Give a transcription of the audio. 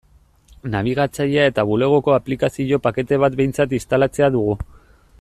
Nabigatzailea eta Bulegoko aplikazio-pakete bat behintzat instalatzea dugu.